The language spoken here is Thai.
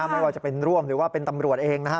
ไม่ว่าจะเป็นร่วมหรือว่าเป็นตำรวจเองนะฮะ